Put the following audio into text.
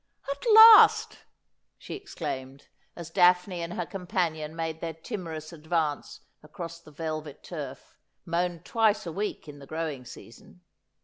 'At last!' she exclaimed, as Daphne and her companion made their timorous advance across the velvet turf, mown twice a week in the growing season.